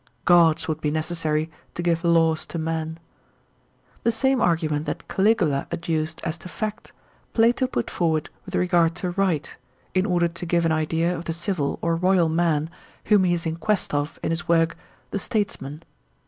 Gods would be necessary to give laws to men. The same argument that Caligula adduced as to fact, Plato put forward with regard to right, in order to give an idea of the civil or royal man whom he is in quest of in his work, the * Statesman.'